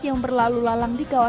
yang berlalu lalang dikawal